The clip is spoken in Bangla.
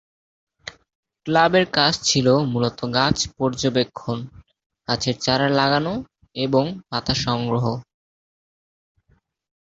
ক্লাবের কাজ ছিল মূলত গাছ পর্যবেক্ষণ, গাছের চারা লাগানো এবং পাতা সংগ্রহ।